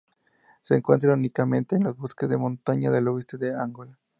Se encuentra únicamente en los bosques de montaña del oeste de Angola.